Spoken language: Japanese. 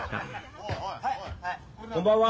こんばんは！